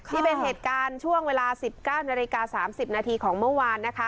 นี่เป็นเหตุการณ์ช่วงเวลา๑๙นาฬิกา๓๐นาทีของเมื่อวานนะคะ